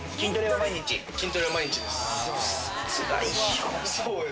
筋トレは毎日です。